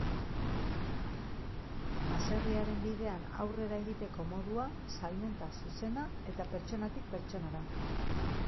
Baserriaren bidean aurrera egiteko modua, salmenta zuzena eta pertsonatik pertsonara.